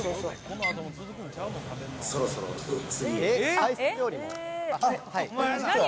そろそろ次へ。